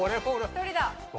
１人だ。